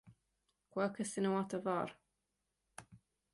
Quercus sinuata var.